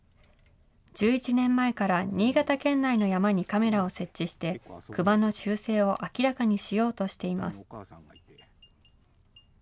１１年前から新潟県内の山にカメラを設置して、クマの習性を明らかにしようとしています。